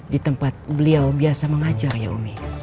di tempat beliau biasa mengajar ya umi